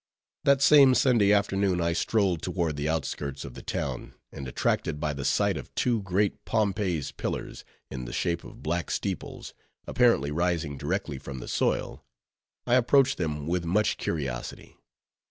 That same Sunday afternoon, I strolled toward the outskirts of the town, and attracted by the sight of two great Pompey's pillars, in the shape of black steeples, apparently rising directly from the soil, I approached them with much curiosity.